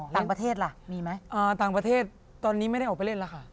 ต่างประเทศล่ะมีไหมต่างประเทศตอนนี้ไม่ได้ออกไปเล่นแล้วค่ะ